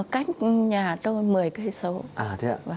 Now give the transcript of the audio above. cách nhà tôi một mươi km